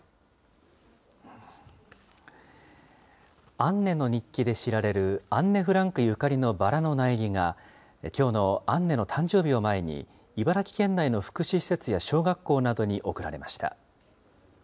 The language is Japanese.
アンネの日記で知られるアンネ・フランクゆかりのバラの苗木が、きょうのアンネの誕生日を前に、茨城県内の福祉施設や小学校などに贈られました。